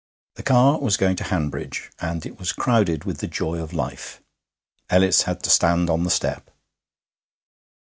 The car was going to Hanbridge, and it was crowded with the joy of life; Ellis had to stand on the step.